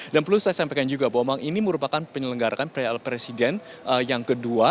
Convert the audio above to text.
dan perlu saya sampaikan juga bahwa memang ini merupakan penyelenggarakan piala presiden yang kedua